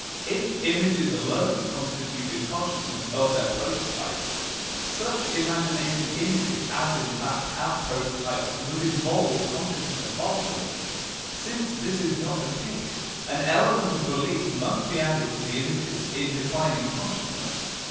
If images alone constituted consciousness of their prototypes, such imagination images as in fact have prototypes would involve consciousness of them; since this is not the case, an element of belief must be added to the images in defining consciousness.